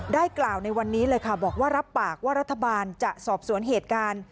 ได้กล่าวในวันนี้เลยค่ะบอกว่ารับปากว่ารัฐบาลจะสอบสวนเหตุการณ์